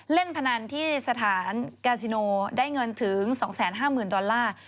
เล่นพนันที่สถานกาซิโนได้เงินถึง๒๕๐๐๐ดอลลาร์